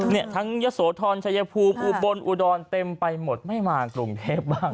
เนี่ยทั้งยะโสธรชายภูมิอุบลอุดรเต็มไปหมดไม่มากรุงเทพบ้าง